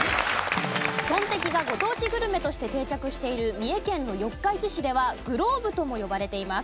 とんてきがご当地グルメとして定着している三重県の四日市市ではグローブとも呼ばれています。